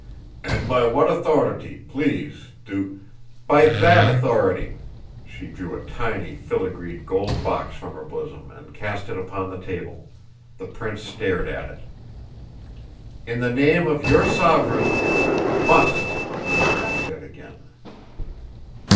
"And by what authority, please, do " "By that authority!" She drew a tiny, filigreed gold box from her bosom and cast it upon the table; the prince stared at it. "In the name of your sovereign must!" she said again.